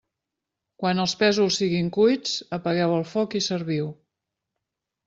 Quan els pèsols siguin cuits, apagueu el foc i serviu.